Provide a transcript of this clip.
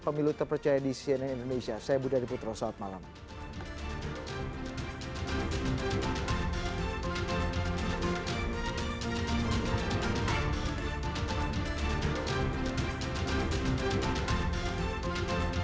pemilu dan pilpres bersama layar